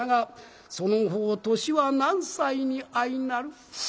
「その方年は何歳にあいなる？」。